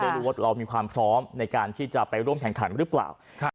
ไม่รู้ว่าเรามีความพร้อมในการที่จะไปร่วมแข่งขันหรือเปล่า